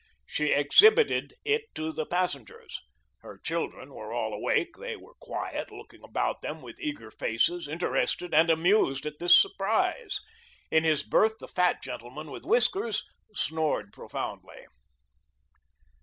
She exhibited it to the passengers. Her children were all awake. They were quiet, looking about them with eager faces, interested and amused at this surprise. In his berth, the fat gentleman with whiskers snored profoundly.